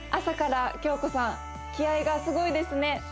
朝から京子さん気合いがすごいですね